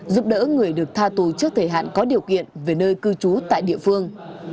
giúp đỡ người được tha tù trước thời hạn có điều kiện về nơi cư trú tại địa phương